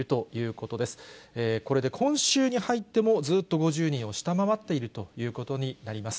これで今週に入っても、ずっと５０人を下回っているということになります。